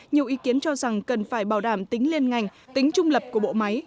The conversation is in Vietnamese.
nhiều ý kiến cho rằng cần phải bảo đảm tính liên ngành tính trung lập của bộ máy